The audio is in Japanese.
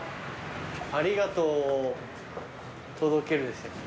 ありがとうを届けるでしたっけ。